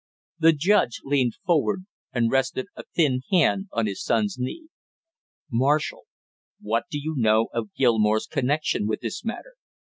The judge leaned forward and rested a thin hand on his son's knee. "Marshall, what do you know of Gilmore's connection with this matter?"